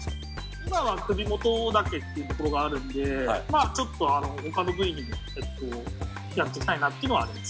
今は首元だけというところがあるので、ちょっとほかの部位にも結構やっていきたいというのはあります。